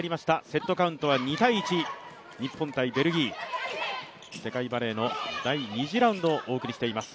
セットカウントは２−１、日本×ベルギー、世界バレーの第２次ラウンドをお送りしています。